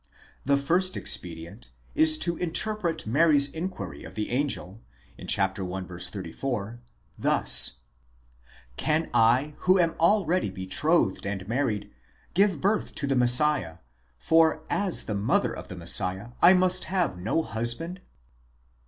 The first expedient is to interpret Mary's inquiry of the angel i. 34, thus: Can I who am already betrothed and married give birth το: the Messiah, for as the mother of the Messiah I must have no husband